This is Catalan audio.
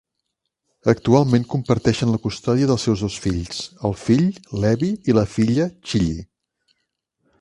Actualment comparteixen la custòdia dels seus dos fills: el fill, Levi, i la filla, Chilli.